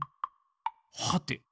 はて？